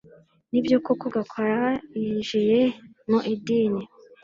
Nibyo koko Gakwaya yinjiye mu idini